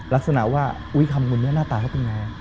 ลักษณะว่าอุ๊ยคำบุญนี้หน้าตาเขาเป็นไง